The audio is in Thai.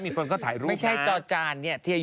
มีคนก็ถ่ายรูปนะ